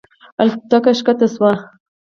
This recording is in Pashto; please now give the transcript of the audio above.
الوتکه ښکته شوه.